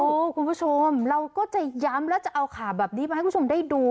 คุณผู้ชมเราก็จะย้ำแล้วจะเอาข่าวแบบนี้มาให้คุณผู้ชมได้ดู